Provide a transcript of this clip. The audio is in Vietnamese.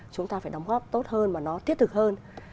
chúng ta phải đóng góp tốt hơn và nó thiết thực hơn